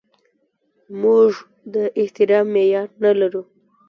موږ د احترام معیار نه لرو.